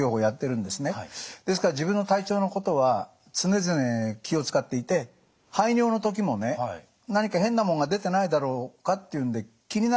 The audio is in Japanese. ですから自分の体調のことは常々気を遣っていて排尿の時もね何か変なもんが出てないだろうかっていうんで気になるんですよ。